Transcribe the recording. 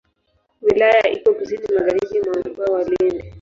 Wilaya ipo kusini magharibi mwa Mkoa wa Lindi.